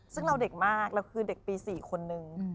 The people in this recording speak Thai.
ซึ่งเราเด็กมากเราคือเด็กปี๔คนนึง